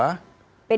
pdip gak pengen